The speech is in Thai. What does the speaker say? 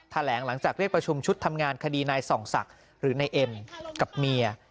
หลังจากเรียกประชุมชุดทำงานคดีนายส่องศักดิ์หรือนายเอ็มกับเมีย